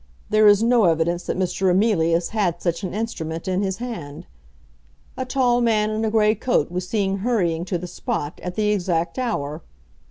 There is no evidence that Mr. Emilius had such an instrument in his hand. A tall man in a grey coat was seen hurrying to the spot at the exact hour.